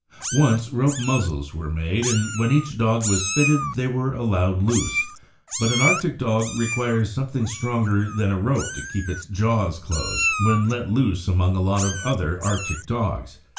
Once, rope muzzles were made, and when each dog was fitted they were allowed loose; but an Arctic dog requires something stronger than a rope to keep its jaws closed when let loose among a lot of other Arctic dogs.